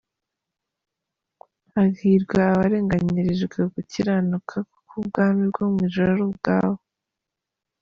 Hahirwa abarenganyirijwe gukiranuka kuko ubwami bwo mu ijuru ari ubwabo.